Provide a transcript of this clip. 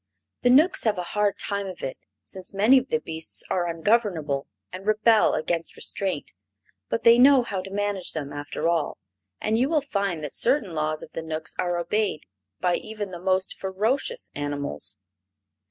The Knooks have a hard time of it, since many of the beasts are ungovernable and rebel against restraint. But they know how to manage them, after all, and you will find that certain laws of the Knooks are obeyed by even the most ferocious animals.